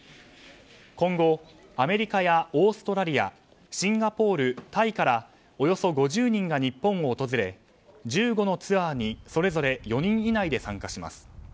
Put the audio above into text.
今後、アメリカやオーストラリアシンガポール、タイからおよそ５０人が日本を訪れ１５のツアーにそれぞれ４人以内で参加します。